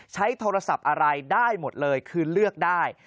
ใช้โทรศัพท์อะไรได้หมดเลยคือเลือกได้